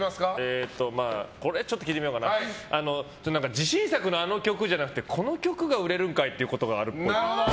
自信作のあの曲じゃなくてこの曲が売れるんかい！っていうことがあるっぽい。